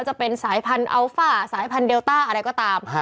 จะเป็นสายพันธุ์อัลฟ่าสายพันธุเดลต้าอะไรก็ตาม